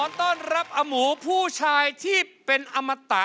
ต้อนรับอหมูผู้ชายที่เป็นอมตะ